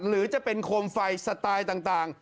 หรือจะเป็นโคมไฟสไตล์ต่าง